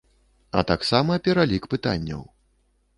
А таксама пералік пытанняў.